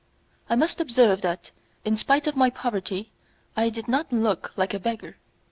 I must observe that, in spite of my poverty, I did not look like a beggar.